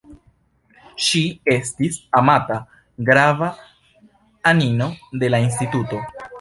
Ŝi estis amata grava anino de la instituto.